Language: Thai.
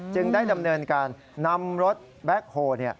ได้ดำเนินการนำรถแบ็คโฮล